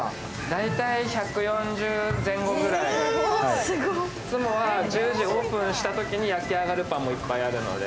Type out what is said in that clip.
いつもは１０時オープンしたときに焼き上がるパンもいっぱいあるので。